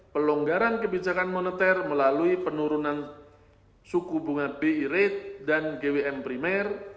pelonggaran kebijakan moneter melalui penurunan suku bunga bi rate dan gwm primer